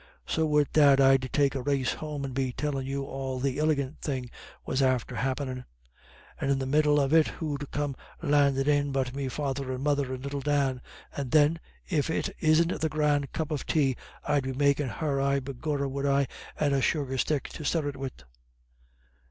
So wid that I'd take a race home and be tellin' you all the iligant thing was after happenin'. And in the middle of it who'd come landin' in but me father and mother, and little Dan. And then, if it isn't the grand cup of tay I'd be makin' her, ay begorra would I, and a sugarstick to stir it wid."